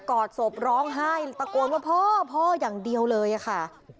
อดศพร้องไห้ตะโกนว่าพ่อพ่ออย่างเดียวเลยอะค่ะ